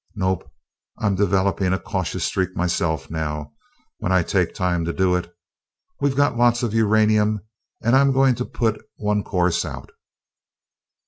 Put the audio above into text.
Nope, I'm developing a cautious streak myself now, when I take time to do it. We've got lots of uranium, and I'm going to put one course out."